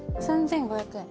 ３，５００円。